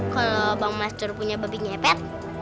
kalau bang mascur punya babi ngepet